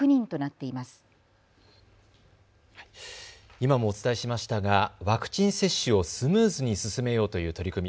今もお伝えしましたがワクチン接種をスムーズに進めようという取り組み。